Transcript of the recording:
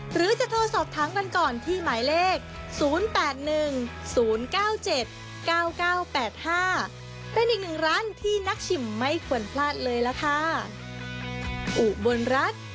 หรือจะโทรสอบทั้งกันก่อนที่หมายเลข